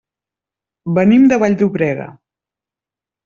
Venim de Vall-llobrega.